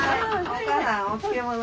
おかあさんお漬物。